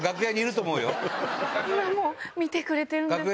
今今も見てくれてるんですけど。